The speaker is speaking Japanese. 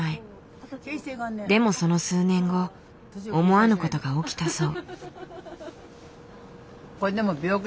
でもその数年後思わぬことが起きたそう。